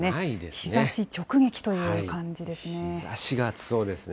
日ざし直撃という感じですね。